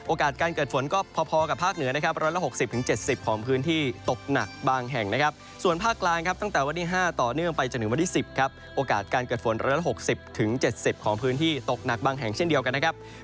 โอกาสการเกิดฝนก็พอกับภาคเหนือนะครับ